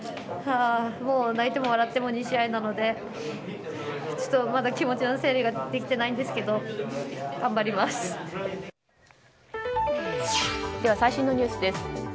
もう泣いても笑っても２試合なのでまだ気持ちの整理ができてないんですけどでは最新のニュースです。